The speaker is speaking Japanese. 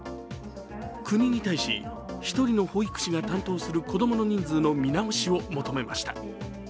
国に対し１人の保育士が担当する子供の人数の見直しを求めました。